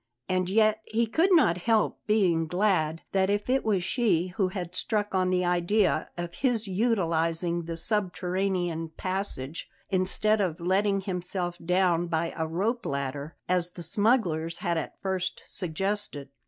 And yet he could not help being glad that it was she who had struck on the idea of his utilizing the subterranean passage, instead of letting himself down by a rope ladder, as the smugglers had at first suggested.